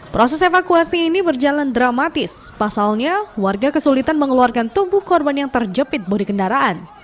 proses evakuasi ini berjalan dramatis pasalnya warga kesulitan mengeluarkan tubuh korban yang terjepit bodi kendaraan